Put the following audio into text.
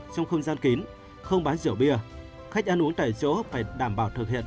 trong không gian kín không bán rượu bia khách ăn uống tại chỗ phải đảm bảo thực hiện